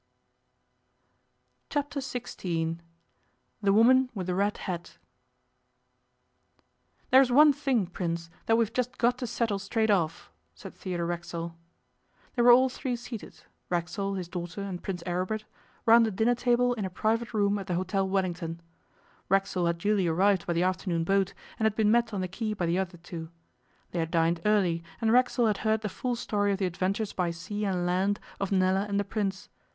Chapter Sixteen THE WOMAN WITH THE RED HAT 'THERE is one thing, Prince, that we have just got to settle straight off,' said Theodore Racksole. They were all three seated Racksole, his daughter, and Prince Aribert round a dinner table in a private room at the Hôtel Wellington. Racksole had duly arrived by the afternoon boat, and had been met on the quay by the other two. They had dined early, and Racksole had heard the full story of the adventures by sea and land of Nella and the Prince.